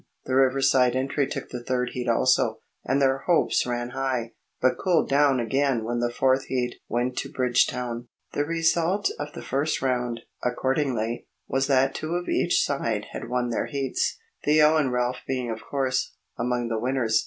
The Riverside entry took the third heat also, and their hopes ran high, but cooled down again when the fourth heat went to Bridgetown. The result of the first round, accordingly, was that two of each side had won their heats, Theo and Ralph being, of course, among the winners.